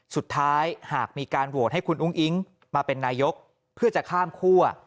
หากมีการโหวตให้คุณอุ้งอิ๊งมาเป็นนายกเพื่อจะข้ามคั่ว